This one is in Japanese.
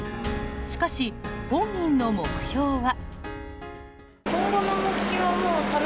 しかし、本人の目標は。